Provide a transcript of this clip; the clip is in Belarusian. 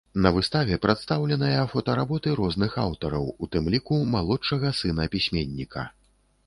На выставе прадстаўленыя фотаработы розных аўтараў, у тым ліку малодшага сына пісьменніка.